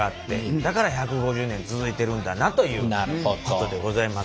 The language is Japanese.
だから１５０年続いてるんだなということでございます。